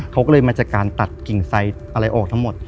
เขาก็เลยมาจากการตัดกิ่งไซด์อะไรออกทั้งหมด